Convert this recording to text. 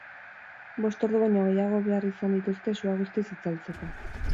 Bost ordu baino gehiago behar izan dituzte sua guztiz itzaltzeko.